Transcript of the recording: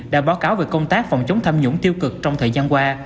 đã báo cáo về công tác phòng chống tham nhũng tiêu cực trong thời gian qua